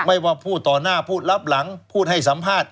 ไม่ว่าพูดต่อหน้าพูดรับหลังพูดให้สัมภาษณ์